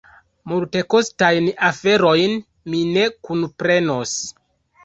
Multekostajn aferojn mi ne kunprenos.